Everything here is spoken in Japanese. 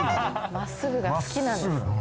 まっすぐが好きなんです。